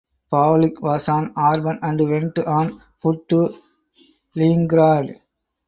Pavlik was an orphan and went on foot to Leningrad.